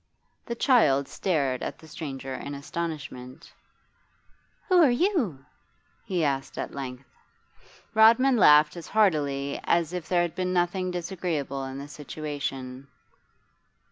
The child stared at the stranger in astonishment. 'Who are you?' he asked at length. Rodman laughed as heartily as if there had been nothing disagreeable in the situation.